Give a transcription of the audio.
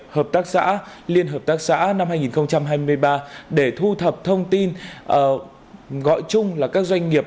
hợp tác xã liên hợp tác xã năm hai nghìn hai mươi ba để thu thập thông tin gọi chung là các doanh nghiệp